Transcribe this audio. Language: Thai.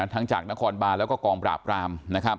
ทั้งจากนครบาและกองปราบราม